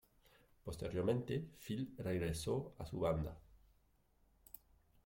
Posteriormente Phil regresó a su banda.